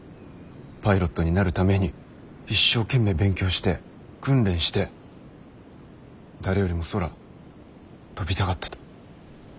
パイロットになるために一生懸命勉強して訓練して誰よりも空飛びたがってた。